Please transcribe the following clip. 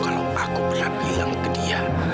kalau aku pernah bilang ke dia